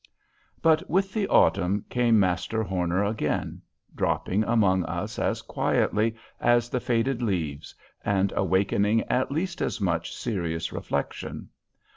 But with the autumn came Master Horner again, dropping among us as quietly as the faded leaves, and awakening at least as much serious reflection.